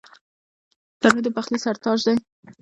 تنور د پخلنځي سر تاج دی